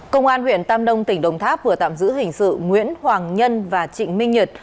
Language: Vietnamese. công an huyện tam nông tỉnh đồng tháp vừa tạm giữ hình sự nguyễn hoàng nhân và trịnh minh nhật